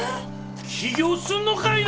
起業すんのかいな！